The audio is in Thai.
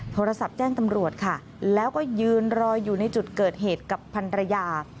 โทรศัพท์แจ้งตำรวจค่ะแล้วก็ยืนรออยู่ในจุดเกิดเหตุกับพันรยา